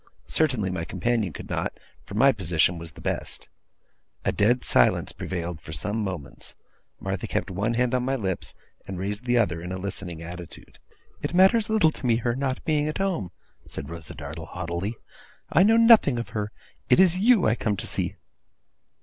Certainly, my companion could not, for my position was the best. A dead silence prevailed for some moments. Martha kept one hand on my lips, and raised the other in a listening attitude. 'It matters little to me her not being at home,' said Rosa Dartle haughtily, 'I know nothing of her. It is you I come to see.